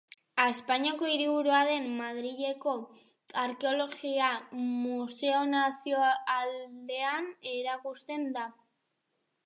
Espainiako hiriburu den Madrilgo Arkeologia Museo Nazionalean erakusten da.